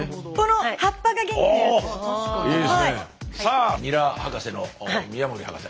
さあニラ博士の宮森博士。